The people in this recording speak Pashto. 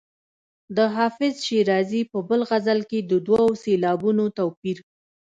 د حافظ شیرازي په بل غزل کې د دوو سېلابونو توپیر.